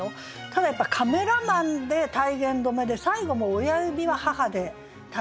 ただやっぱ「カメラマン」で体言止めで最後も「親指は母」で体言止めになってて。